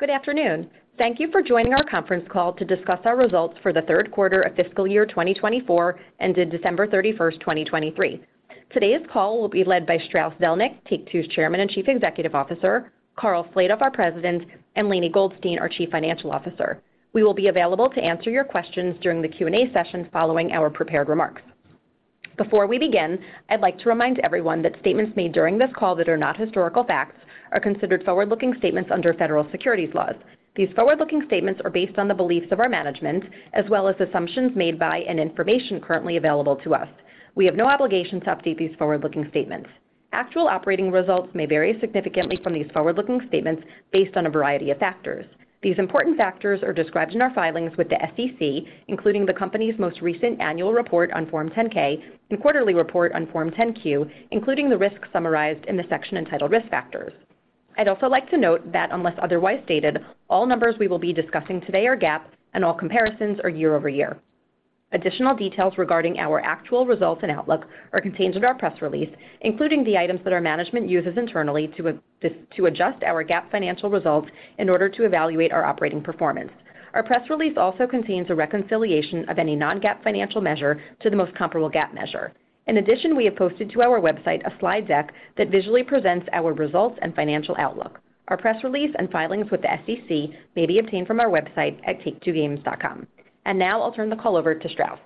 Good afternoon. Thank you for joining our conference call to discuss our results for the third quarter of fiscal year 2024, ended December 31, 2023. Today's call will be led by Strauss Zelnick, Take-Two's Chairman and Chief Executive Officer, Karl Slatoff, our President, and Lainie Goldstein, our Chief Financial Officer. We will be available to answer your questions during the Q&A session following our prepared remarks. Before we begin, I'd like to remind everyone that statements made during this call that are not historical facts are considered forward-looking statements under federal securities laws. These forward-looking statements are based on the beliefs of our management, as well as assumptions made by and information currently available to us. We have no obligation to update these forward-looking statements. Actual operating results may vary significantly from these forward-looking statements based on a variety of factors. These important factors are described in our filings with the SEC, including the company's most recent annual report on Form 10-K and quarterly report on Form 10-Q, including the risks summarized in the section entitled Risk Factors. I'd also like to note that unless otherwise stated, all numbers we will be discussing today are GAAP, and all comparisons are year-over-year. Additional details regarding our actual results and outlook are contained in our press release, including the items that our management uses internally to adjust our GAAP financial results in order to evaluate our operating performance. Our press release also contains a reconciliation of any non-GAAP financial measure to the most comparable GAAP measure. In addition, we have posted to our website a slide deck that visually presents our results and financial outlook. Our press release and filings with the SEC may be obtained from our website at take2games.com. Now I'll turn the call over to Strauss.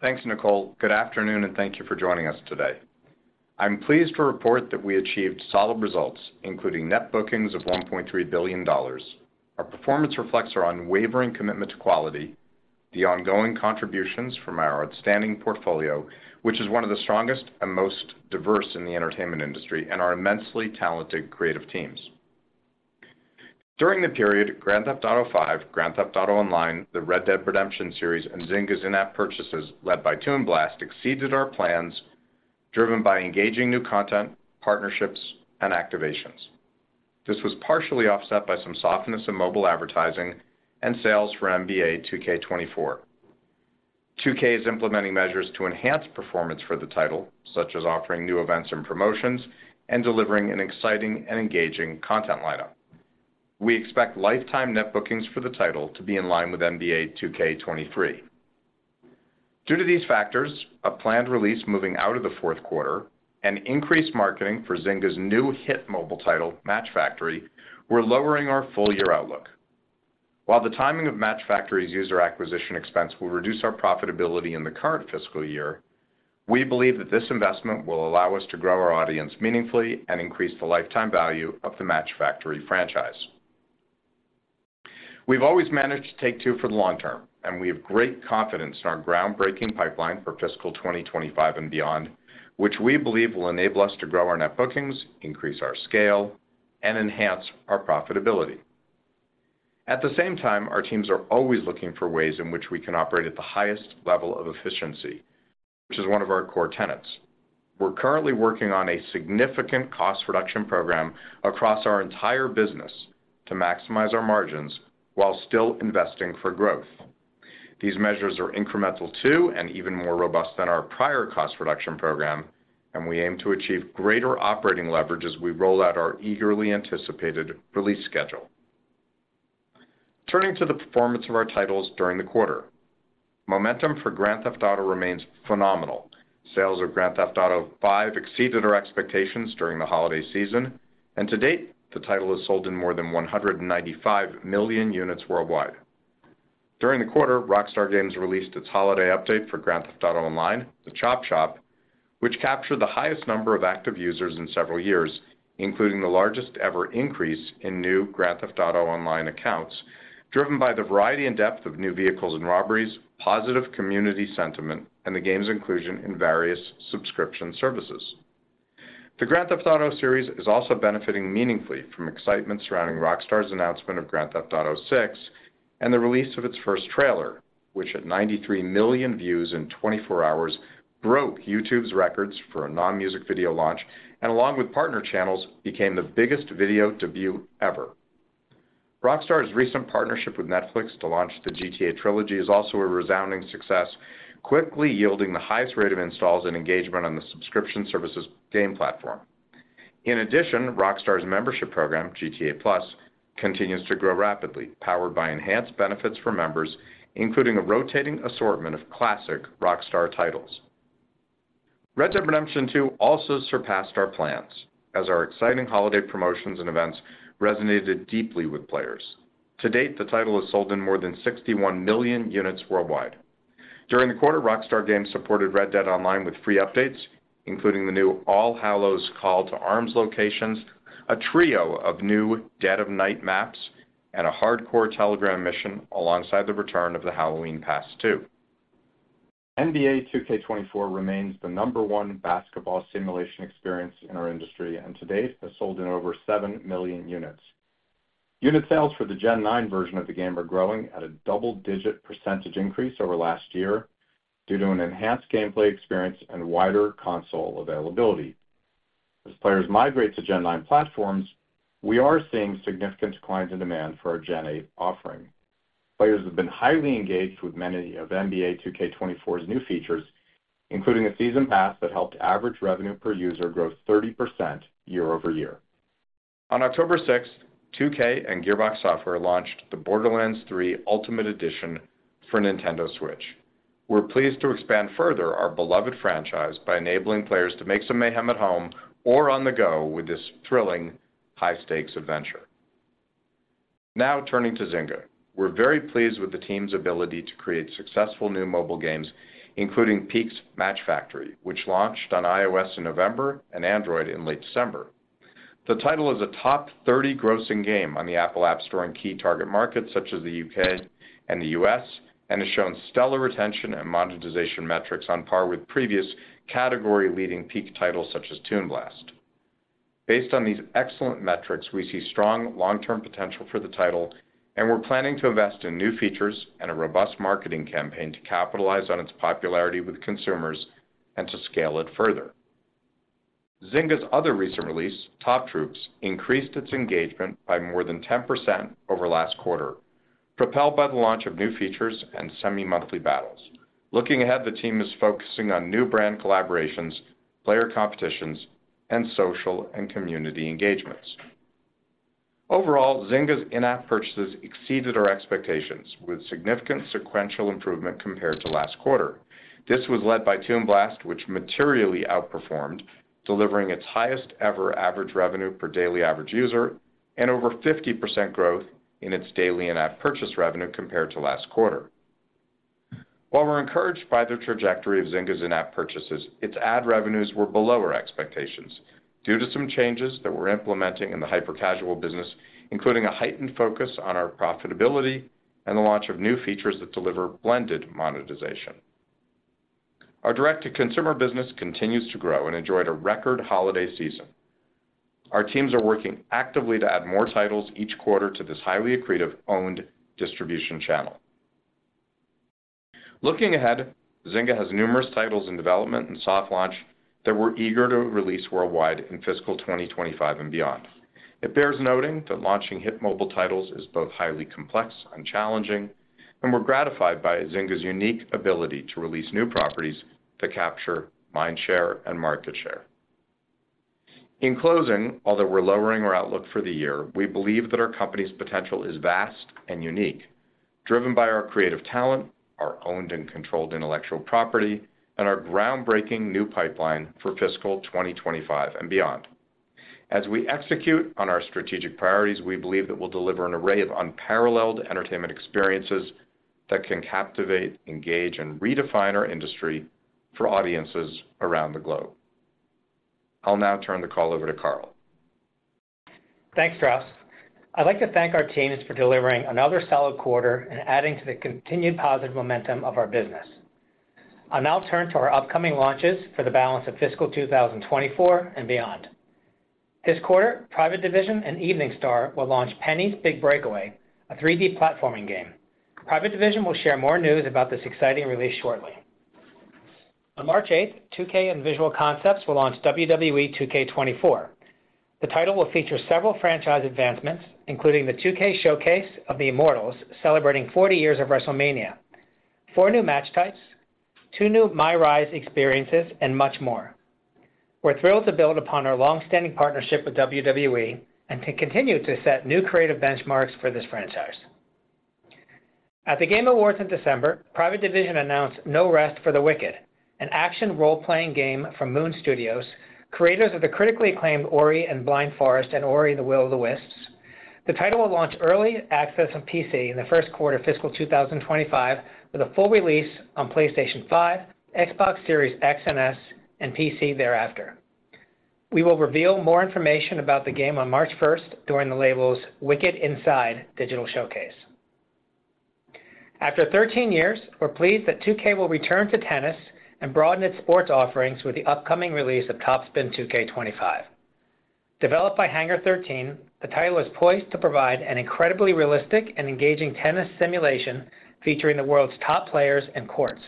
Thanks, Nicole. Good afternoon, and thank you for joining us today. I'm pleased to report that we achieved solid results, including net bookings of $1.3 billion. Our performance reflects our unwavering commitment to quality, the ongoing contributions from our outstanding portfolio, which is one of the strongest and most diverse in the entertainment industry, and our immensely talented creative teams. During the period, Grand Theft Auto V, Grand Theft Auto Online, the Red Dead Redemption series, and Zynga's in-app purchases, led by Toon Blast, exceeded our plans, driven by engaging new content, partnerships, and activations. This was partially offset by some softness in mobile advertising and sales for NBA 2K24. 2K is implementing measures to enhance performance for the title, such as offering new events and promotions, and delivering an exciting and engaging content lineup. We expect lifetime net bookings for the title to be in line with NBA 2K23. Due to these factors, a planned release moving out of the fourth quarter, and increased marketing for Zynga's new hit mobile title, Match Factory, we're lowering our full year outlook. While the timing of Match Factory's user acquisition expense will reduce our profitability in the current fiscal year, we believe that this investment will allow us to grow our audience meaningfully and increase the lifetime value of the Match Factory franchise. We've always managed Take-Two for the long term, and we have great confidence in our groundbreaking pipeline for fiscal 2025 and beyond, which we believe will enable us to grow our net bookings, increase our scale, and enhance our profitability. At the same time, our teams are always looking for ways in which we can operate at the highest level of efficiency, which is one of our core tenets. We're currently working on a significant cost reduction program across our entire business to maximize our margins while still investing for growth. These measures are incremental to and even more robust than our prior cost reduction program, and we aim to achieve greater operating leverage as we roll out our eagerly anticipated release schedule. Turning to the performance of our titles during the quarter, momentum for Grand Theft Auto remains phenomenal. Sales of Grand Theft Auto V exceeded our expectations during the holiday season, and to date, the title has sold in more than 195 million units worldwide. During the quarter, Rockstar Games released its holiday update for Grand Theft Auto Online, The Chop Shop, which captured the highest number of active users in several years, including the largest ever increase in new Grand Theft Auto Online accounts, driven by the variety and depth of new vehicles and robberies, positive community sentiment, and the game's inclusion in various subscription services. The Grand Theft Auto series is also benefiting meaningfully from excitement surrounding Rockstar's announcement of Grand Theft Auto VI and the release of its first trailer, which at 93 million views in 24 hours, broke YouTube's records for a non-music video launch, and along with partner channels, became the biggest video to view ever. Rockstar's recent partnership with Netflix to launch the GTA trilogy is also a resounding success, quickly yielding the highest rate of installs and engagement on the subscription services game platform. In addition, Rockstar's membership program, GTA+, continues to grow rapidly, powered by enhanced benefits for members, including a rotating assortment of classic Rockstar titles. Red Dead Redemption 2 also surpassed our plans, as our exciting holiday promotions and events resonated deeply with players. To date, the title has sold in more than 61 million units worldwide. During the quarter, Rockstar Games supported Red Dead Online with free updates, including the new All Hallows Call to Arms locations, a trio of new Dead of Night maps, and a hardcore telegram mission alongside the return of the Halloween Pass 2. NBA 2K24 remains the number one basketball simulation experience in our industry, and to date, has sold in over 7 million units. Unit sales for the Gen 9 version of the game are growing at a double-digit percentage increase over last year due to an enhanced gameplay experience and wider console availability. As players migrate to Gen 9 platforms, we are seeing significant declines in demand for our Gen 8 offering. Players have been highly engaged with many of NBA 2K24's new features, including a season pass that helped average revenue per user grow 30% year-over-year. On October 6, 2K and Gearbox Software launched the Borderlands 3 Ultimate Edition for Nintendo Switch. We're pleased to expand further our beloved franchise by enabling players to make some mayhem at home or on the go with this thrilling, high-stakes adventure. Now turning to Zynga. We're very pleased with the team's ability to create successful new mobile games, including Match Factory, which launched on iOS in November and Android in late December. The title is a top 30 grossing game on the Apple App Store in key target markets, such as the U.K. and the U.S., and has shown stellar retention and monetization metrics on par with previous category-leading peak titles such as Toon Blast. Based on these excellent metrics, we see strong long-term potential for the title, and we're planning to invest in new features and a robust marketing campaign to capitalize on its popularity with consumers and to scale it further. Zynga's other recent release, Top Troops, increased its engagement by more than 10% over last quarter, propelled by the launch of new features and semi-monthly battles. Looking ahead, the team is focusing on new brand collaborations, player competitions, and social and community engagements. Overall, Zynga's in-app purchases exceeded our expectations, with significant sequential improvement compared to last quarter. This was led by Toon Blast, which materially outperformed, delivering its highest-ever average revenue per daily average user and over 50% growth in its daily in-app purchase revenue compared to last quarter. While we're encouraged by the trajectory of Zynga's in-app purchases, its ad revenues were below our expectations due to some changes that we're implementing in the hyper-casual business, including a heightened focus on our profitability and the launch of new features that deliver blended monetization. Our direct-to-consumer business continues to grow and enjoyed a record holiday season. Our teams are working actively to add more titles each quarter to this highly accretive owned distribution channel. Looking ahead, Zynga has numerous titles in development and soft launch that we're eager to release worldwide in fiscal 2025 and beyond. It bears noting that launching hit mobile titles is both highly complex and challenging, and we're gratified by Zynga's unique ability to release new properties to capture mind share and market share. In closing, although we're lowering our outlook for the year, we believe that our company's potential is vast and unique, driven by our creative talent, our owned and controlled intellectual property, and our groundbreaking new pipeline for fiscal 2025 and beyond. As we execute on our strategic priorities, we believe that we'll deliver an array of unparalleled entertainment experiences that can captivate, engage, and redefine our industry for audiences around the globe. I'll now turn the call over to Karl. Thanks, Strauss. I'd like to thank our teams for delivering another solid quarter and adding to the continued positive momentum of our business. I'll now turn to our upcoming launches for the balance of fiscal 2024 and beyond. This quarter, Private Division and Evening Star will launch Penny's Big Breakaway, a 3D platforming game. Private Division will share more news about this exciting release shortly. On March 8, 2K and Visual Concepts will launch WWE 2K24. The title will feature several franchise advancements, including the 2K Showcase of the Immortals, celebrating 40 years of WrestleMania, four new match types, two new MyRISE experiences, and much more. We're thrilled to build upon our long-standing partnership with WWE and to continue to set new creative benchmarks for this franchise. At the Game Awards in December, Private Division announced No Rest for the Wicked, an action role-playing game from Moon Studios, creators of the critically acclaimed Ori and the Blind Forest and Ori and the Will of the Wisps. The title will launch early access on PC in the first quarter of fiscal 2025, with a full release on PlayStation 5, Xbox Series X and S, and PC thereafter. We will reveal more information about the game on March first during the label's Wicked Inside digital showcase. After 13 years, we're pleased that 2K will return to tennis and broaden its sports offerings with the upcoming release of TopSpin 2K25. Developed by Hangar 13, the title is poised to provide an incredibly realistic and engaging tennis simulation featuring the world's top players and courts.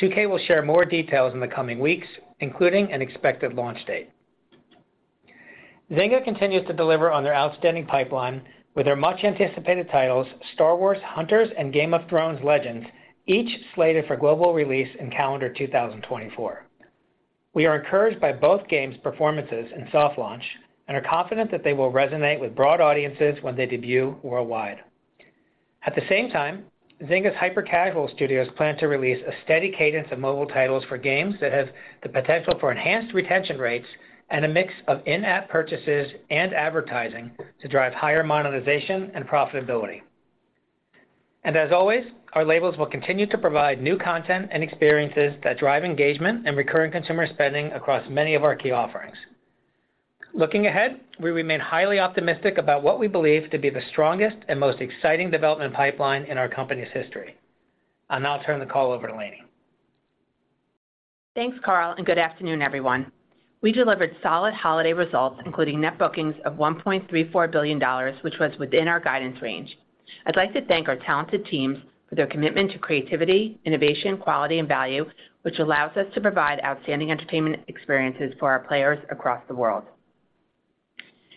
2K will share more details in the coming weeks, including an expected launch date. Zynga continues to deliver on their outstanding pipeline with their much-anticipated titles, Star Wars: Hunters and Game of Thrones: Legends, each slated for global release in calendar 2024. We are encouraged by both games' performances in soft launch and are confident that they will resonate with broad audiences when they debut worldwide. At the same time, Zynga's hyper-casual studios plan to release a steady cadence of mobile titles for games that have the potential for enhanced retention rates and a mix of in-app purchases and advertising to drive higher monetization and profitability. As always, our labels will continue to provide new content and experiences that drive engagement and recurring consumer spending across many of our key offerings. Looking ahead, we remain highly optimistic about what we believe to be the strongest and most exciting development pipeline in our company's history. I'll now turn the call over to Lainie. Thanks, Karl, and good afternoon, everyone. We delivered solid holiday results, including net bookings of $1.34 billion, which was within our guidance range. I'd like to thank our talented teams for their commitment to creativity, innovation, quality, and value, which allows us to provide outstanding entertainment experiences for our players across the world.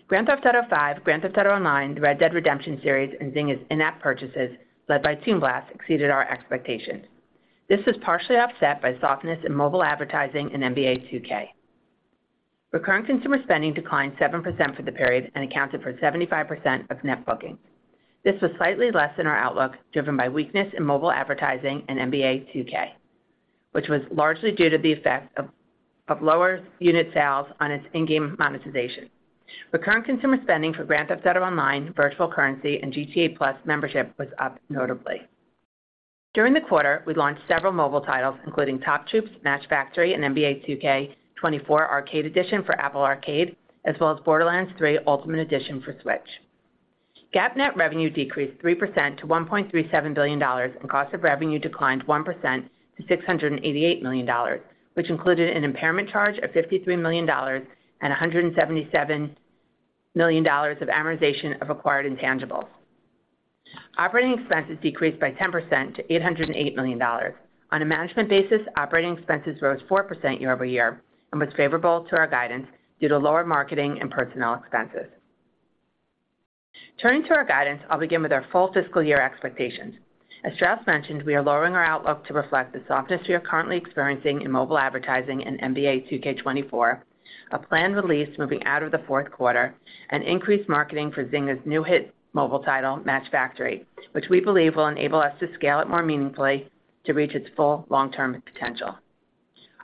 Grand Theft Auto V, Grand Theft Auto Online, Red Dead Redemption series, and Zynga's in-app purchases, led by Toon Blast, exceeded our expectations. This was partially offset by softness in mobile advertising and NBA 2K. Recurring consumer spending declined 7% for the period and accounted for 75% of net bookings. This was slightly less than our outlook, driven by weakness in mobile advertising and NBA 2K, which was largely due to the effect of lower unit sales on its in-game monetization. Recurring consumer spending for Grand Theft Auto Online, virtual currency, and GTA+ membership was up notably. During the quarter, we launched several mobile titles, including Top Troops, Match Factory, and NBA 2K24 Arcade Edition for Apple Arcade, as well as Borderlands 3 Ultimate Edition for Switch. GAAP net revenue decreased 3% to $1.37 billion, and cost of revenue declined 1% to $688 million, which included an impairment charge of $53 million and $177 million of amortization of acquired intangibles. Operating expenses decreased by 10% to $808 million. On a management basis, operating expenses rose 4% year-over-year and was favorable to our guidance due to lower marketing and personnel expenses. Turning to our guidance, I'll begin with our full fiscal year expectations. As Strauss mentioned, we are lowering our outlook to reflect the softness we are currently experiencing in mobile advertising and NBA 2K24, a planned release moving out of the fourth quarter, and increased marketing for Zynga's new hit mobile title, Match Factory, which we believe will enable us to scale it more meaningfully to reach its full long-term potential.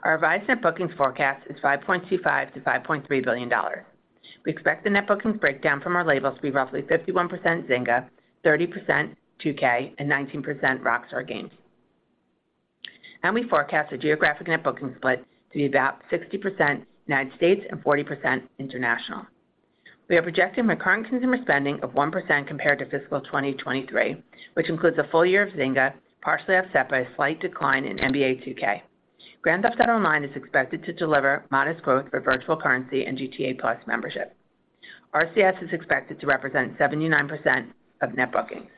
Our revised net bookings forecast is $5.25 billion-$5.3 billion. We expect the net bookings breakdown from our label to be roughly 51% Zynga, 30% 2K, and 19% Rockstar Games. We forecast the geographic net booking split to be about 60% United States and 40% international. We are projecting recurring consumer spending of 1% compared to fiscal 2023, which includes a full year of Zynga, partially offset by a slight decline in NBA 2K. Grand Theft Auto Online is expected to deliver modest growth for virtual currency and GTA+ membership. RCS is expected to represent 79% of net bookings.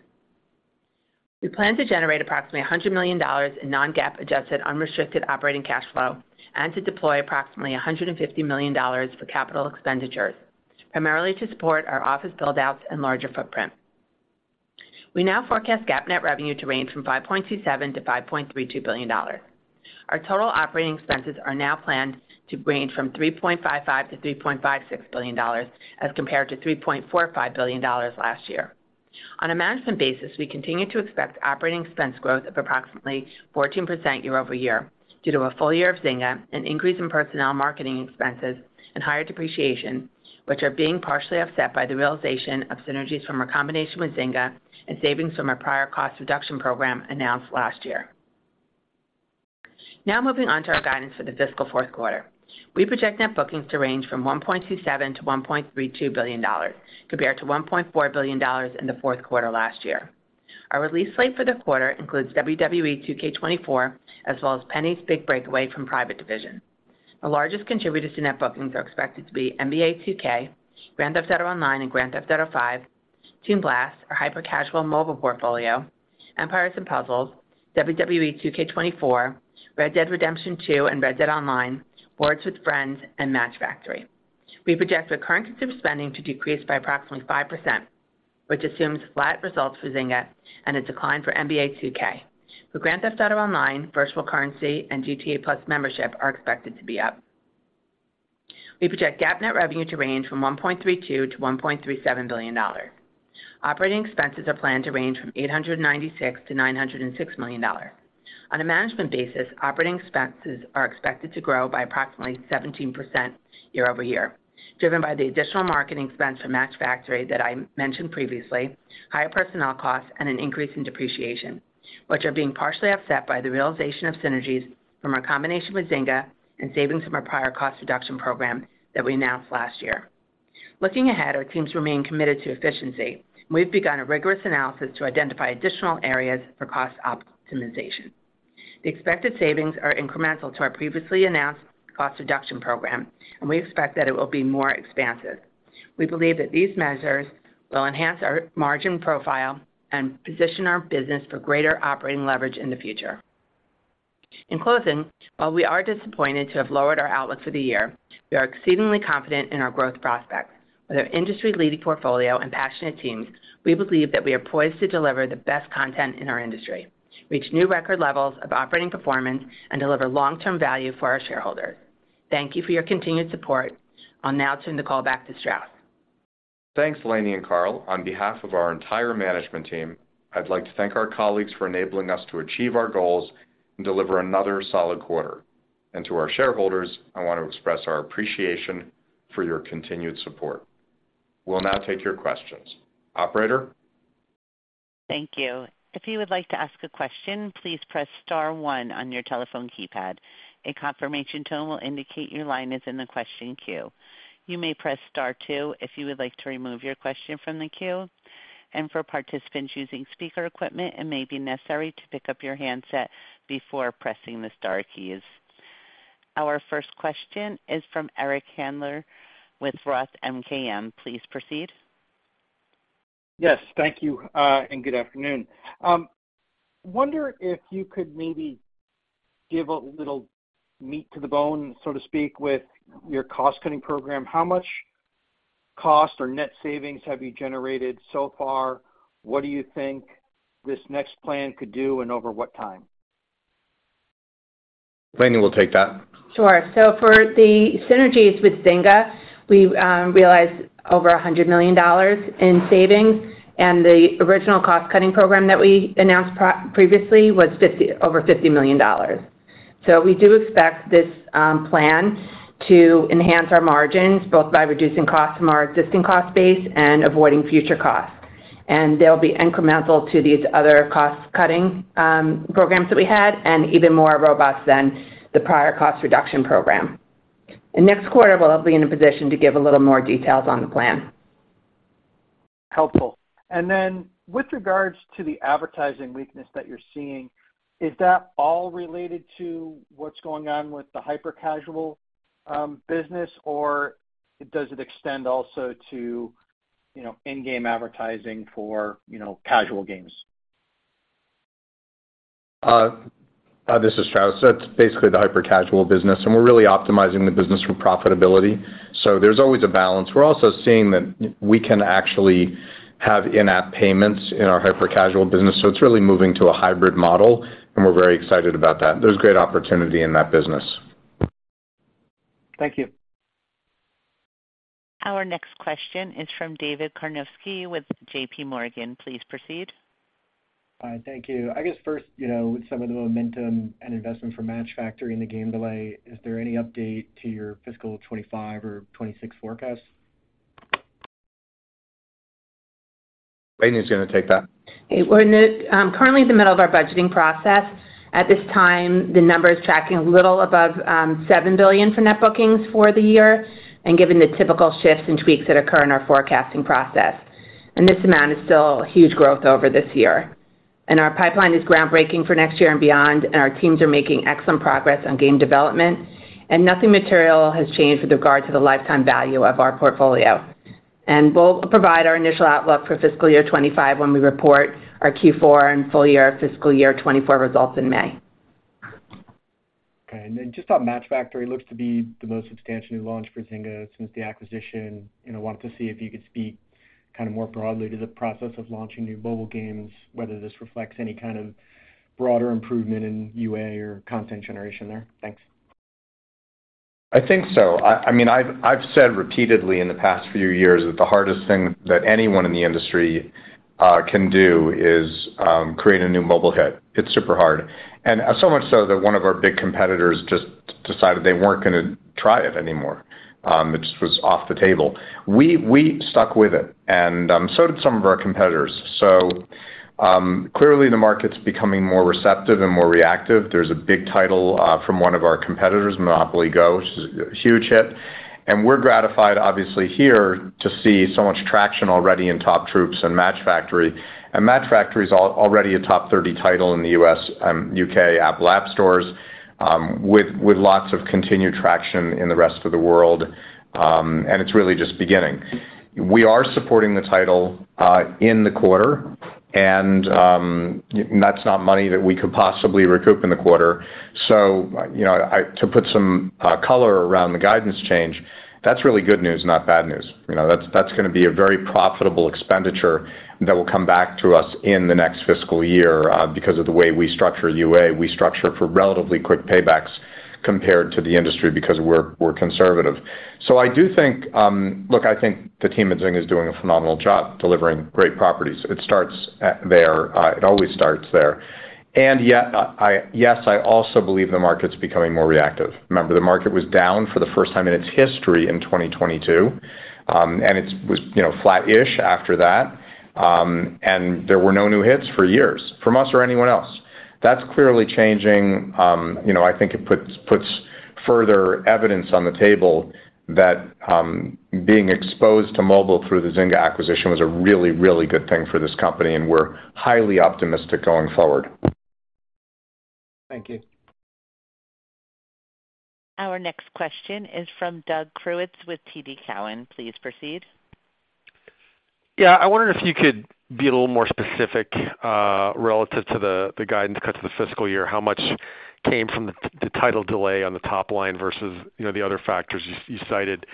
We plan to generate approximately $100 million in non-GAAP adjusted unrestricted operating cash flow and to deploy approximately $150 million for capital expenditures, primarily to support our office buildouts and larger footprint. We now forecast GAAP net revenue to range from $5.27 billion-$5.32 billion. Our total operating expenses are now planned to range from $3.55 billion-$3.56 billion, as compared to $3.45 billion last year. On a management basis, we continue to expect operating expense growth of approximately 14% year-over-year due to a full year of Zynga, an increase in personnel marketing expenses, and higher depreciation, which are being partially offset by the realization of synergies from our combination with Zynga and savings from our prior cost reduction program announced last year. Now moving on to our guidance for the fiscal fourth quarter. We project net bookings to range from $1.27 billion-$1.32 billion, compared to $1.4 billion in the fourth quarter last year. Our release slate for the quarter includes WWE 2K24, as well as Penny's Big Breakaway from Private Division. The largest contributors to net bookings are expected to be NBA 2K, Grand Theft Auto Online, and Grand Theft Auto V, Toon Blast, our hyper-casual mobile portfolio, Empires & Puzzles, WWE 2K24, Red Dead Redemption 2, and Red Dead Online, Words With Friends, and Match Factory. We project recurring consumer spending to decrease by approximately 5%, which assumes flat results for Zynga and a decline for NBA 2K. But Grand Theft Auto Online, virtual currency, and GTA+ membership are expected to be up. We project GAAP net revenue to range from $1.32 billion-$1.37 billion. Operating expenses are planned to range from $896 million-$906 million. On a management basis, operating expenses are expected to grow by approximately 17% year-over-year, driven by the additional marketing expense from Match Factory that I mentioned previously, higher personnel costs, and an increase in depreciation, which are being partially offset by the realization of synergies from our combination with Zynga and savings from our prior cost reduction program that we announced last year. Looking ahead, our teams remain committed to efficiency. We've begun a rigorous analysis to identify additional areas for cost optimization. The expected savings are incremental to our previously announced cost reduction program, and we expect that it will be more expansive. We believe that these measures will enhance our margin profile and position our business for greater operating leverage in the future. In closing, while we are disappointed to have lowered our outlook for the year, we are exceedingly confident in our growth prospects. With our industry-leading portfolio and passionate teams, we believe that we are poised to deliver the best content in our industry, reach new record levels of operating performance, and deliver long-term value for our shareholders. Thank you for your continued support. I'll now turn the call back to Strauss. Thanks, Lainie and Karl. On behalf of our entire management team, I'd like to thank our colleagues for enabling us to achieve our goals and deliver another solid quarter. And to our shareholders, I want to express our appreciation for your continued support. We'll now take your questions. Operator? Thank you. If you would like to ask a question, please press star one on your telephone keypad. A confirmation tone will indicate your line is in the question queue. You may press star two if you would like to remove your question from the queue. For participants using speaker equipment, it may be necessary to pick up your handset before pressing the star keys. Our first question is from Eric Handler with Roth MKM. Please proceed. Yes, thank you, and good afternoon. Wonder if you could maybe give a little meat to the bone, so to speak, with your cost-cutting program. How much cost or net savings have you generated so far? What do you think this next plan could do, and over what time? Lainie will take that. Sure. So for the synergies with Zynga, we realized over $100 million in savings, and the original cost-cutting program that we announced previously was over $50 million. So we do expect this plan to enhance our margins, both by reducing costs from our existing cost base and avoiding future costs. And they'll be incremental to these other cost-cutting programs that we had, and even more robust than the prior cost reduction program. And next quarter, we'll be in a position to give a little more details on the plan. Helpful. With regards to the advertising weakness that you're seeing, is that all related to what's going on with the hyper-casual business, or does it extend also to, you know, in-game advertising for, you know, casual games? This is Strauss. That's basically the hyper-casual business, and we're really optimizing the business for profitability. So there's always a balance. We're also seeing that we can actually have in-app payments in our hyper-casual business, so it's really moving to a hybrid model, and we're very excited about that. There's great opportunity in that business. Thank you. Our next question is from David Karnovsky with JPMorgan. Please proceed. Hi, thank you. I guess first, you know, with some of the momentum and investment from Match Factory and the game delay, is there any update to your fiscal 2025 or 2026 forecast? Lainie is going to take that. Hey, we're currently in the middle of our budgeting process. At this time, the number is tracking a little above $7 billion for net bookings for the year and given the typical shifts and tweaks that occur in our forecasting process. This amount is still a huge growth over this year. Our pipeline is groundbreaking for next year and beyond, and our teams are making excellent progress on game development, and nothing material has changed with regard to the lifetime value of our portfolio. We'll provide our initial outlook for fiscal year 2025 when we report our Q4 and full year fiscal year 2024 results in May. Okay. And then just how Match Factory looks to be the most substantial new launch for Zynga since the acquisition. You know, wanted to see if you could speak kind of more broadly to the process of launching new mobile games, whether this reflects any kind of broader improvement in UA or content generation there. Thanks. I think so. I mean, I've said repeatedly in the past few years that the hardest thing that anyone in the industry can do is create a new mobile hit. It's super hard. And so much so that one of our big competitors just decided they weren't going to try it anymore, it just was off the table. We stuck with it, and so did some of our competitors. So, clearly, the market's becoming more receptive and more reactive. There's a big title from one of our competitors, Monopoly Go, which is a huge hit, and we're gratified, obviously, here to see so much traction already in Top Troops and Match Factory. Match Factory is already a top 30 title in the U.S. and U.K. App Stores, with lots of continued traction in the rest of the world, and it's really just beginning. We are supporting the title in the quarter, and that's not money that we could possibly recoup in the quarter. So you know, I to put some color around the guidance change, that's really good news, not bad news. You know, that's going to be a very profitable expenditure that will come back to us in the next fiscal year, because of the way we structure UA. We structure it for relatively quick paybacks compared to the industry because we're conservative. So I do think, look, I think the team at Zynga is doing a phenomenal job delivering great properties. It starts at there. It always starts there. And yet, yes, I also believe the market's becoming more reactive. Remember, the market was down for the first time in its history in 2022, and it was, you know, flat-ish after that, and there were no new hits for years, from us or anyone else. That's clearly changing. You know, I think it puts further evidence on the table that being exposed to mobile through the Zynga acquisition was a really, really good thing for this company, and we're highly optimistic going forward. Thank you. Our next question is from Doug Creutz with TD Cowen. Please proceed. Yeah. I wondered if you could be a little more specific relative to the guidance cuts of the fiscal year, how much came from the title delay on the top line versus, you know, the other factors you cited?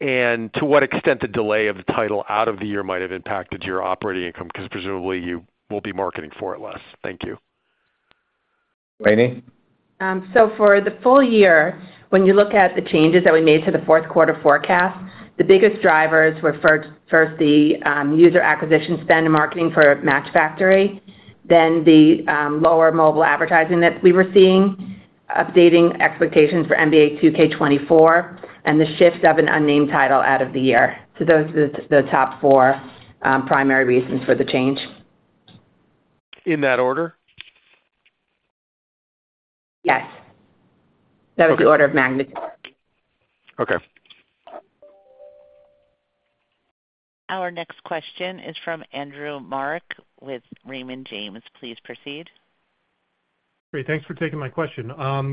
To what extent the delay of the title out of the year might have impacted your operating income, because presumably you will be marketing for it less. Thank you. Lainie? So for the full year, when you look at the changes that we made to the fourth quarter forecast, the biggest drivers were first, the user acquisition spend and marketing for Match Factory, then the lower mobile advertising that we were seeing, updating expectations for NBA 2K24, and the shift of an unnamed title out of the year. So those are the top four primary reasons for the change. In that order? Yes. Okay. That was the order of magnitude. Okay. Our next question is from Andrew Marok with Raymond James. Please proceed. Great. Thanks for taking my question.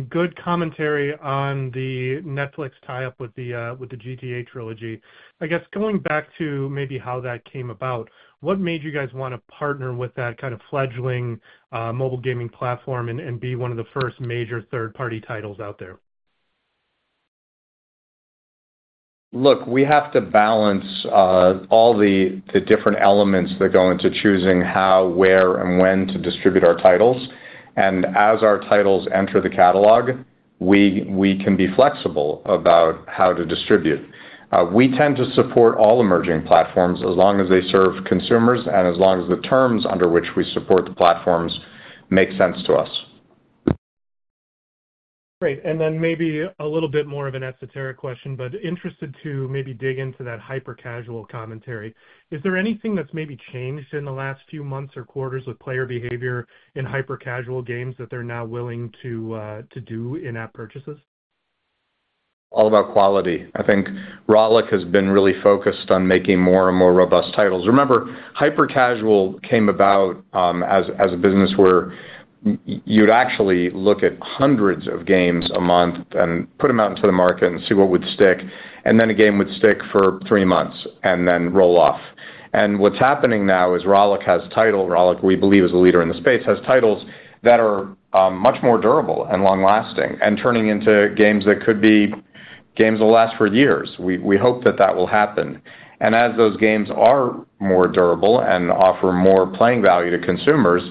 Good commentary on the Netflix tie-up with the GTA trilogy. I guess going back to maybe how that came about, what made you guys want to partner with that kind of fledgling mobile gaming platform and be one of the first major third-party titles out there? Look, we have to balance all the different elements that go into choosing how, where, and when to distribute our titles. As our titles enter the catalog, we can be flexible about how to distribute. We tend to support all emerging platforms as long as they serve consumers and as long as the terms under which we support the platforms make sense to us. Great. And then maybe a little bit more of an esoteric question, but interested to maybe dig into that hyper-casual commentary. Is there anything that's maybe changed in the last few months or quarters with player behavior in hyper-casual games that they're now willing to do in-app purchases? All about quality. I think Rollic has been really focused on making more and more robust titles. Remember, hyper-casual came about as a business where you'd actually look at hundreds of games a month and put them out into the market and see what would stick, and then a game would stick for three months and then roll off. And what's happening now is Rollic has titles. Rollic, we believe, is a leader in the space, has titles that are much more durable and long lasting and turning into games that could be games that will last for years. We hope that that will happen. And as those games are more durable and offer more playing value to consumers,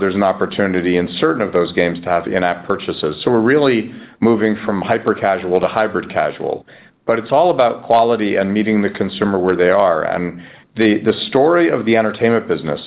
there's an opportunity in certain of those games to have in-app purchases. So we're really moving from hyper-casual to hybrid casual. But it's all about quality and meeting the consumer where they are. And the story of the entertainment business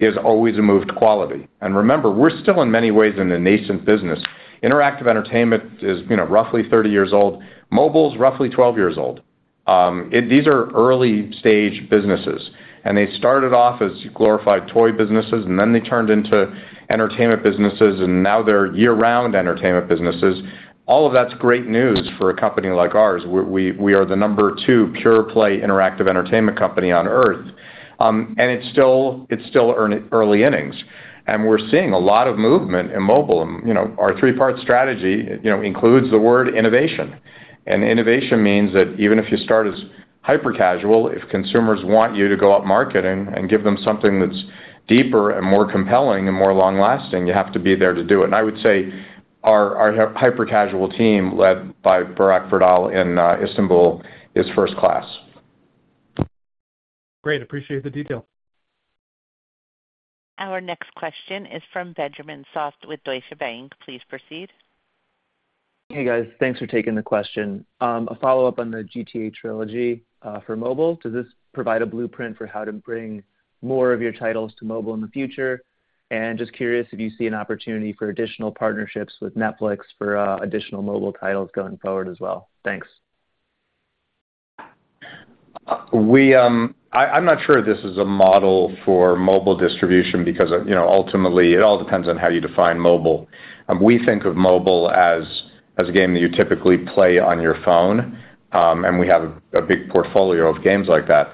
is always a moved quality. And remember, we're still, in many ways, in a nascent business. Interactive entertainment is, you know, roughly 30 years old. Mobile's roughly 12 years old. These are early stage businesses, and they started off as glorified toy businesses, and then they turned into entertainment businesses, and now they're year-round entertainment businesses. All of that's great news for a company like ours, where we, we are the number two pure play interactive entertainment company on Earth. And it's still, it's still early innings, and we're seeing a lot of movement in mobile. You know, our three-part strategy, you know, includes the word innovation, and innovation means that even if you start as hyper-casual, if consumers want you to go upmarket and, and give them something that's deeper and more compelling and more long lasting, you have to be there to do it. And I would say our, our hyper-casual team, led by Burak Vardal in Istanbul, is first class. Great. Appreciate the detail. Our next question is from Benjamin Soff with Deutsche Bank. Please proceed. Hey, guys. Thanks for taking the question. A follow-up on the GTA trilogy for mobile. Does this provide a blueprint for how to bring more of your titles to mobile in the future? And just curious if you see an opportunity for additional partnerships with Netflix for additional mobile titles going forward as well. Thanks. We, I, I'm not sure this is a model for mobile distribution because, you know, ultimately, it all depends on how you define mobile. We think of mobile as a game that you typically play on your phone, and we have a big portfolio of games like that.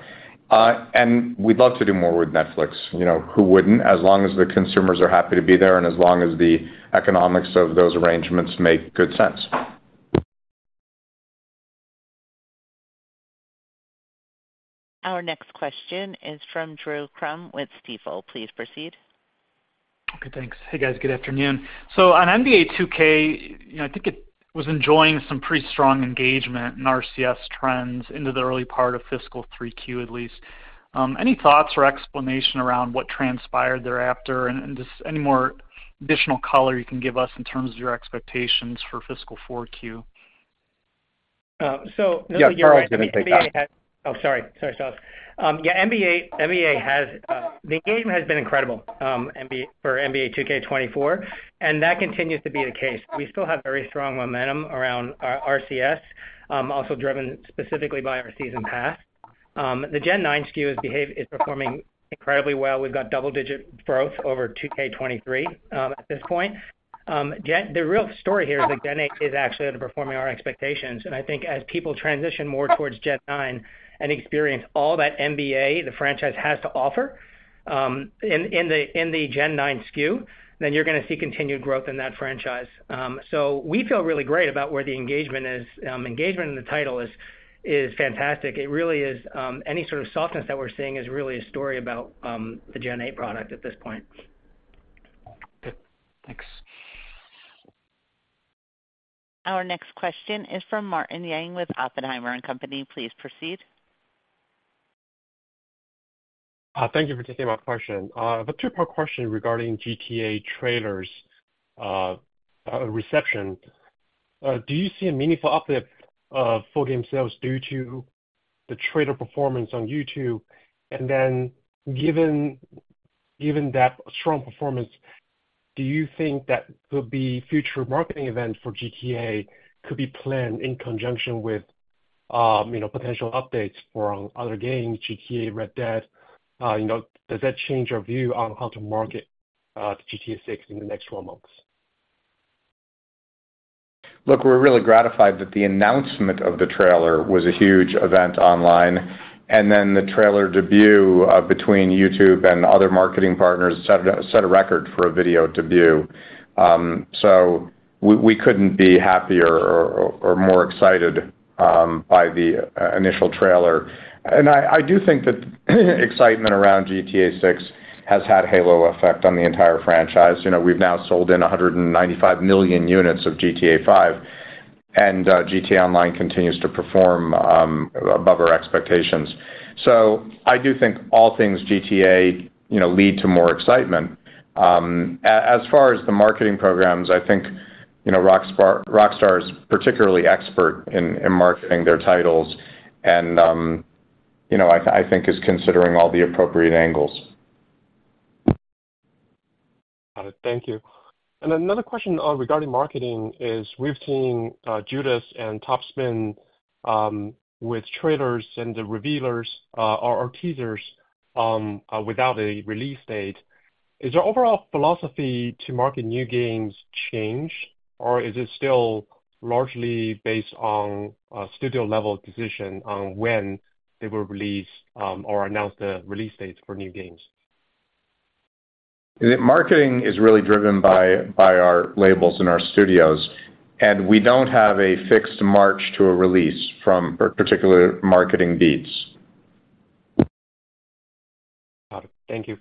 And we'd love to do more with Netflix. You know, who wouldn't? As long as the consumers are happy to be there, and as long as the economics of those arrangements make good sense. Our next question is from Drew Crum with Stifel. Please proceed. Okay, thanks. Hey, guys. Good afternoon. So on NBA 2K, you know, I think it was enjoying some pretty strong engagement in RCS trends into the early part of fiscal 3Q, at least. Any thoughts or explanation around what transpired thereafter? And just any more additional color you can give us in terms of your expectations for fiscal 4Q? Uh, so- Yeah, Karl's going to take that. Oh, sorry. Sorry, Strauss. Yeah, NBA 2K. The engagement has been incredible for NBA 2K24, and that continues to be the case. We still have very strong momentum around our RCS, also driven specifically by our season pass. The Gen 9 SKU is performing incredibly well. We've got double-digit growth over 2K23 at this point. The real story here is that Gen 8 is actually outperforming our expectations, and I think as people transition more towards Gen 9 and experience all that the NBA franchise has to offer in the Gen 9 SKU, then you're going to see continued growth in that franchise. So we feel really great about where the engagement is. Engagement in the title is fantastic. It really is, any sort of softness that we're seeing is really a story about the Gen 8 product at this point. Good, thanks. Our next question is from Martin Yang with Oppenheimer & Co. Please proceed. Thank you for taking my question. A two-part question regarding GTA trailers' reception. Do you see a meaningful uplift of full game sales due to the trailer performance on YouTube? And then given that strong performance, do you think that could be future marketing events for GTA could be planned in conjunction with, you know, potential updates for other games, GTA, Red Dead? You know, does that change your view on how to market GTA VI in the next twelve months? Look, we're really gratified that the announcement of the trailer was a huge event online, and then the trailer debut between YouTube and other marketing partners set a record for a video debut. So we couldn't be happier or more excited by the initial trailer. And I do think that excitement around GTA VI has had halo effect on the entire franchise. You know, we've now sold in 195 million units of GTA V, and GTA Online continues to perform above our expectations. So I do think all things GTA, you know, lead to more excitement. As far as the marketing programs, I think, you know, Rockstar is particularly expert in marketing their titles and, you know, I think is considering all the appropriate angles. Got it. Thank you. And another question regarding marketing: we've seen Judas and Top Spin with trailers and the reveals, or teasers, without a release date. Is your overall philosophy to market new games change, or is it still largely based on studio-level decision on when they will release, or announce the release dates for new games? The marketing is really driven by our labels and our studios, and we don't have a fixed march to a release from particular marketing beats. Got it. Thank you.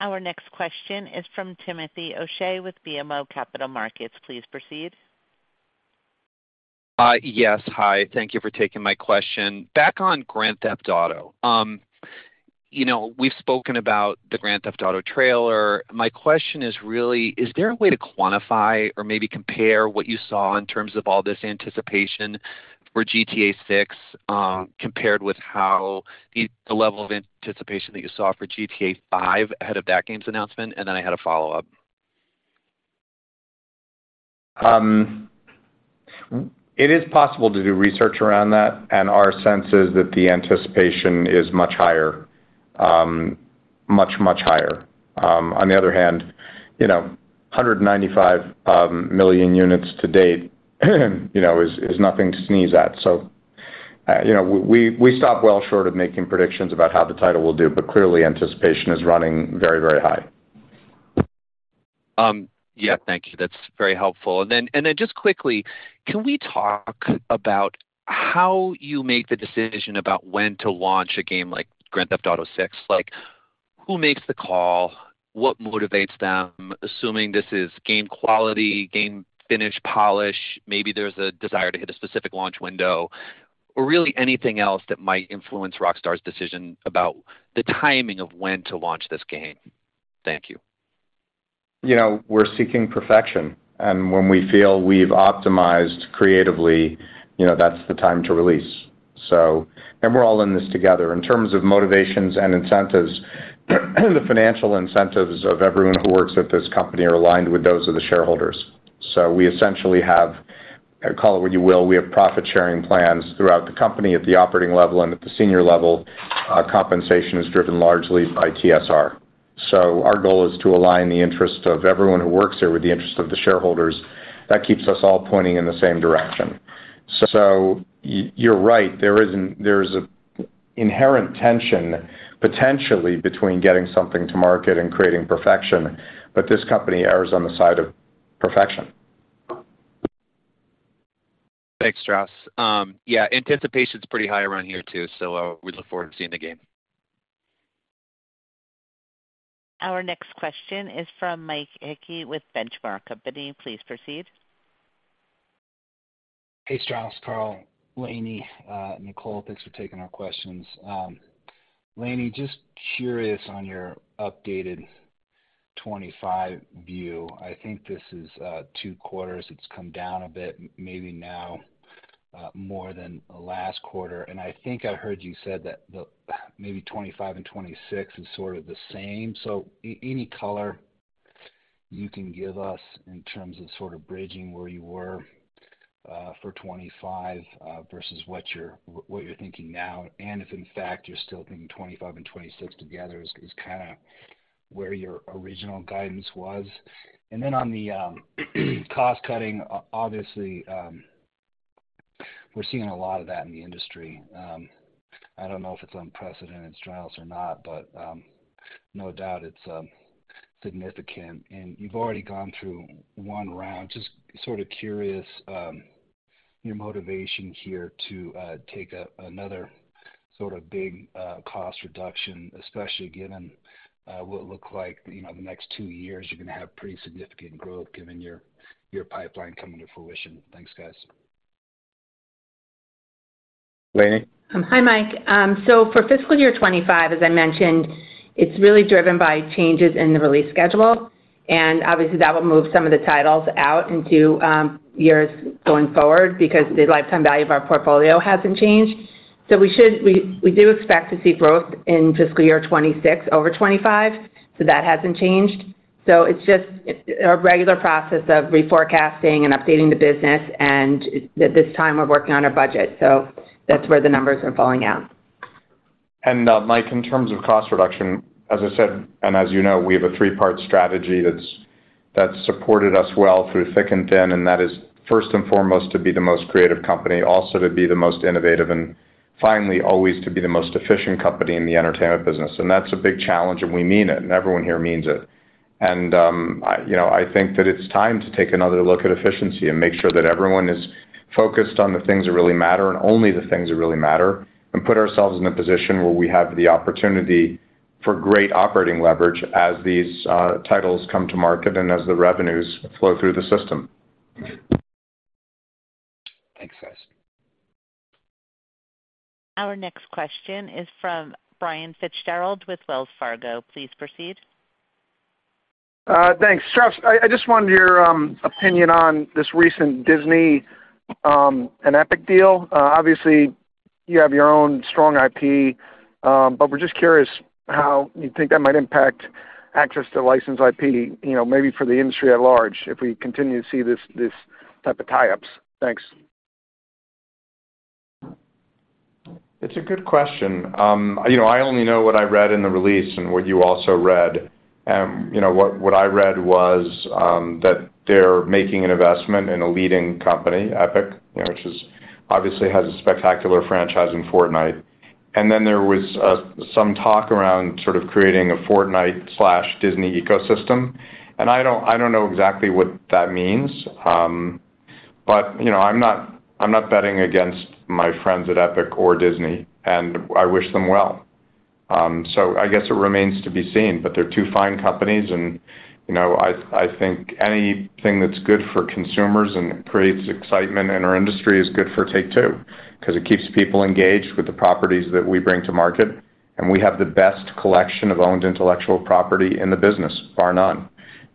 Our next question is from Timothy O'Shea with BMO Capital Markets. Please proceed. Yes. Hi, thank you for taking my question. Back on Grand Theft Auto. You know, we've spoken about the Grand Theft Auto trailer. My question is really, is there a way to quantify or maybe compare what you saw in terms of all this anticipation for GTA VI, compared with how the level of anticipation that you saw for GTA V ahead of that game's announcement? And then I had a follow-up. It is possible to do research around that, and our sense is that the anticipation is much higher, much, much higher. On the other hand, you know, 195 million units to date, you know, is nothing to sneeze at. So, you know, we stop well short of making predictions about how the title will do, but clearly, anticipation is running very, very high. Yeah, thank you. That's very helpful. And then just quickly, can we talk about how you make the decision about when to launch a game like Grand Theft Auto VI? Like, who makes the call? What motivates them, assuming this is game quality, game finish, polish, maybe there's a desire to hit a specific launch window, or really anything else that might influence Rockstar's decision about the timing of when to launch this game? Thank you. You know, we're seeking perfection, and when we feel we've optimized creatively, you know, that's the time to release. So we're all in this together. In terms of motivations and incentives, the financial incentives of everyone who works at this company are aligned with those of the shareholders. So we essentially have, call it what you will, we have profit-sharing plans throughout the company at the operating level and at the senior level. Compensation is driven largely by TSR. So our goal is to align the interests of everyone who works here with the interests of the shareholders. That keeps us all pointing in the same direction. So you're right, there is an inherent tension, potentially, between getting something to market and creating perfection, but this company errs on the side of perfection. Thanks, Strauss. Yeah, anticipation is pretty high around here, too, so we look forward to seeing the game. Our next question is from Mike Hickey with Benchmark Company. Please proceed. Hey, Strauss, Karl, Lainie, Nicole, thanks for taking our questions. Lainie, just curious on your updated 2025 view. I think this is two quarters. It's come down a bit, maybe now more than last quarter. And I think I heard you said that the, maybe 2025 and 2026 is sort of the same. So any color you can give us in terms of sort of bridging where you were for 2025 versus what you're thinking now, and if, in fact, you're still thinking 2025 and 2026 together is kinda where your original guidance was. And then on the cost-cutting, obviously, we're seeing a lot of that in the industry. I don't know if it's unprecedented, Strauss, or not, but no doubt it's significant. And you've already gone through one round. Just sort of curious, your motivation here to take another sort of big cost reduction, especially given what it look like, you know, the next two years, you're going to have pretty significant growth given your pipeline coming to fruition. Thanks, guys. Lainie? Hi, Mike. So for fiscal year 2025, as I mentioned, it's really driven by changes in the release schedule, and obviously, that will move some of the titles out into years going forward because the lifetime value of our portfolio hasn't changed. So we do expect to see growth in fiscal year 2026 over 2025, so that hasn't changed. So it's just a regular process of reforecasting and updating the business, and at this time, we're working on our budget, so that's where the numbers are falling out. Mike, in terms of cost reduction, as I said, and as you know, we have a three-part strategy that's supported us well through thick and thin, and that is first and foremost, to be the most creative company, also to be the most innovative, and finally, always to be the most efficient company in the entertainment business. That's a big challenge, and we mean it, and everyone here means it. You know, I think that it's time to take another look at efficiency and make sure that everyone is focused on the things that really matter and only the things that really matter, and put ourselves in a position where we have the opportunity for great operating leverage as these titles come to market and as the revenues flow through the system. Thanks, guys. Our next question is from Brian Fitzgerald with Wells Fargo. Please proceed. Thanks. Strauss, I just wanted your opinion on this recent Disney and Epic deal. Obviously, you have your own strong IP, but we're just curious how you think that might impact access to licensed IP, you know, maybe for the industry at large, if we continue to see this type of tie-ups. Thanks. It's a good question. You know, I only know what I read in the release and what you also read. You know, what, what I read was, that they're making an investment in a leading company, Epic, you know, which is obviously has a spectacular franchise in Fortnite. And then there was, some talk around sort of creating a Fortnite/Disney ecosystem, and I don't, I don't know exactly what that means. But, you know, I'm not, I'm not betting against my friends at Epic or Disney, and I wish them well. So I guess it remains to be seen, but they're two fine companies and, you know, I think anything that's good for consumers and creates excitement in our industry is good for Take-Two, 'cause it keeps people engaged with the properties that we bring to market, and we have the best collection of owned intellectual property in the business, bar none.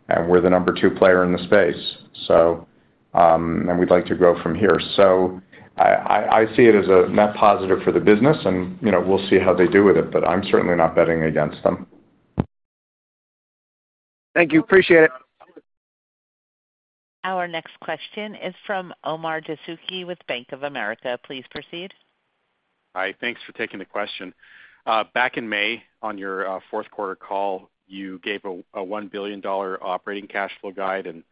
And we're the number two player in the space. So and we'd like to go from here. So I see it as a net positive for the business and, you know, we'll see how they do with it, but I'm certainly not betting against them. Thank you. Appreciate it. Our next question is from Omar Dessouky with Bank of America. Please proceed. Hi, thanks for taking the question. Back in May, on your fourth quarter call, you gave a $1 billion operating cash flow guide, and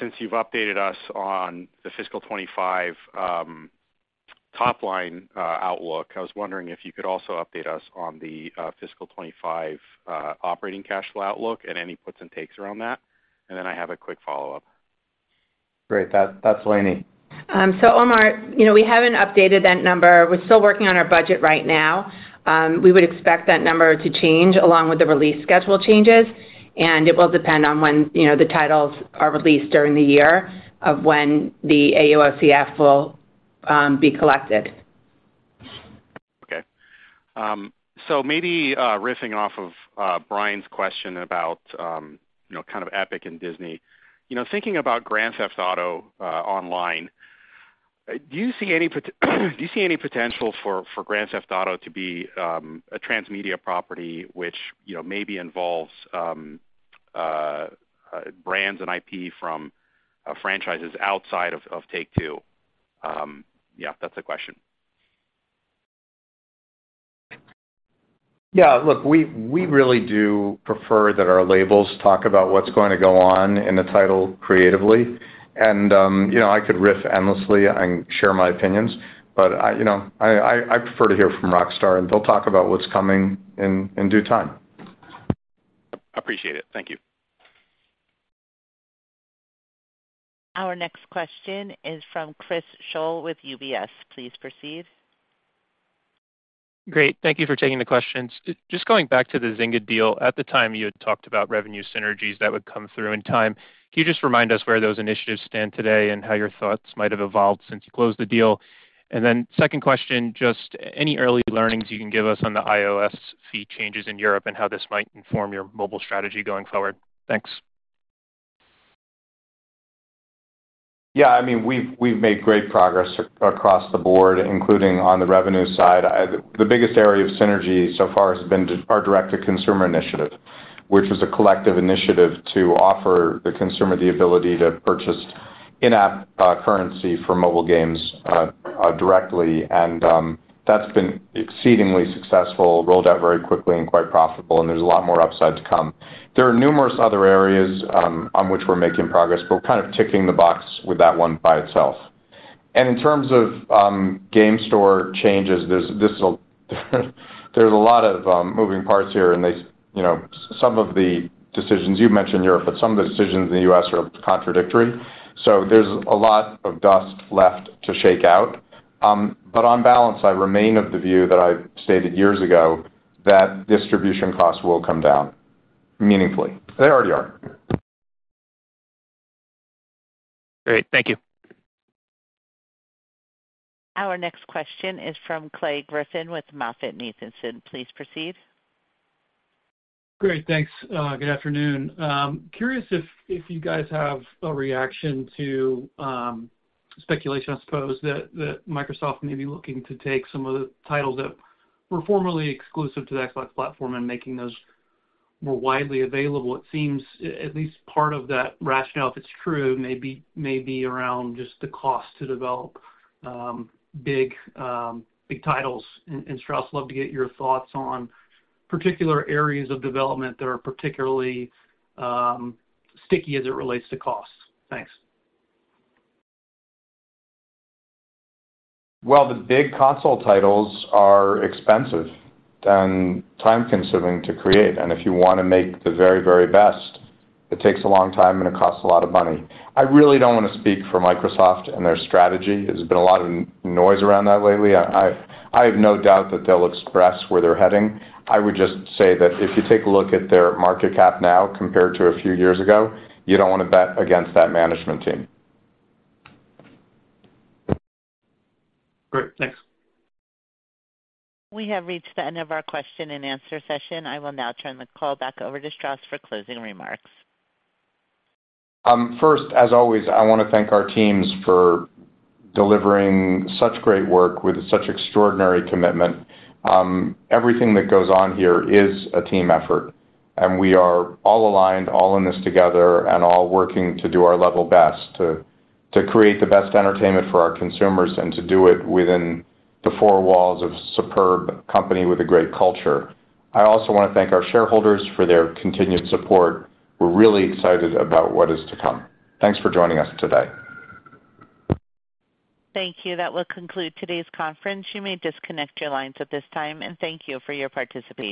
since you've updated us on the fiscal 2025 top line outlook, I was wondering if you could also update us on the fiscal 2025 operating cash flow outlook and any puts and takes around that. And then I have a quick follow-up. Great, that's Lainie. So, Omar, you know, we haven't updated that number. We're still working on our budget right now. We would expect that number to change along with the release schedule changes, and it will depend on when, you know, the titles are released during the year of when the AUSCF will be collected. Okay. So maybe, riffing off of, Brian's question about, you know, kind of Epic and Disney. You know, thinking about Grand Theft Auto Online, do you see any potential for Grand Theft Auto to be a transmedia property, which, you know, maybe involves brands and IP from franchises outside of Take-Two? Yeah, that's the question. Yeah, look, we really do prefer that our labels talk about what's going to go on in the title creatively. And, you know, I could riff endlessly and share my opinions, but you know, I prefer to hear from Rockstar, and they'll talk about what's coming in due time. Appreciate it. Thank you. Our next question is from Chris Schoell with UBS. Please proceed. Great. Thank you for taking the questions. Just going back to the Zynga deal. At the time, you had talked about revenue synergies that would come through in time. Can you just remind us where those initiatives stand today and how your thoughts might have evolved since you closed the deal? And then second question, just any early learnings you can give us on the iOS fee changes in Europe and how this might inform your mobile strategy going forward? Thanks. Yeah, I mean, we've made great progress across the board, including on the revenue side. The biggest area of synergy so far has been our direct-to-consumer initiative, which was a collective initiative to offer the consumer the ability to purchase in-app currency for mobile games directly. And that's been exceedingly successful, rolled out very quickly and quite profitable, and there's a lot more upside to come. There are numerous other areas on which we're making progress, but we're kind of ticking the box with that one by itself. And in terms of game store changes, there's a lot of moving parts here and they, you know, some of the decisions, you mentioned Europe, but some of the decisions in the U.S. are contradictory. So there's a lot of dust left to shake out. On balance, I remain of the view that I stated years ago, that distribution costs will come down meaningfully. They already are. Great. Thank you. Our next question is from Clay Griffin with MoffettNathanson. Please proceed. Great, thanks. Good afternoon. Curious if you guys have a reaction to speculation, I suppose, that Microsoft may be looking to take some of the titles that were formerly exclusive to the Xbox platform and making those more widely available. It seems at least part of that rationale, if it's true, may be around just the cost to develop big titles. And Strauss, love to get your thoughts on particular areas of development that are particularly sticky as it relates to costs. Thanks. Well, the big console titles are expensive and time-consuming to create, and if you want to make the very, very best, it takes a long time and it costs a lot of money. I really don't want to speak for Microsoft and their strategy. There's been a lot of noise around that lately. I have no doubt that they'll express where they're heading. I would just say that if you take a look at their market cap now compared to a few years ago, you don't want to bet against that management team. Great, thanks. We have reached the end of our question-and-answer session. I will now turn the call back over to Strauss for closing remarks. First, as always, I want to thank our teams for delivering such great work with such extraordinary commitment. Everything that goes on here is a team effort, and we are all aligned, all in this together and all working to do our level best to create the best entertainment for our consumers and to do it within the four walls of a superb company with a great culture. I also want to thank our shareholders for their continued support. We're really excited about what is to come. Thanks for joining us today. Thank you. That will conclude today's conference. You may disconnect your lines at this time, and thank you for your participation.